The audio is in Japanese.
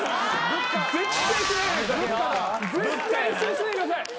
絶対一緒にしないでください。